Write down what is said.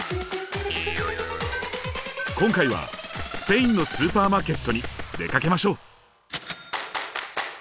今回はスペインのスーパーマーケットに出かけましょう！